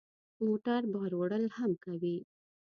موټر بار وړل هم کوي.